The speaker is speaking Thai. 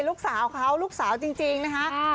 ลูกสาวเขาลูกสาวจริงนะคะ